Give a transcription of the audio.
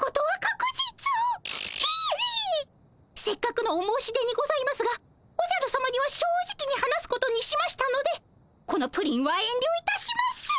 せっかくのお申し出にございますがおじゃるさまには正直に話すことにしましたのでこのプリンはえんりょいたします！